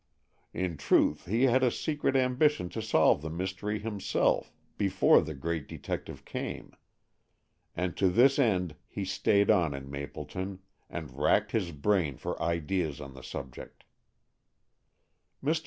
In truth, he had a secret ambition to solve the mystery himself, before the great detective came, and to this end he stayed on in Mapleton, and racked his brain for ideas on the subject. Mr.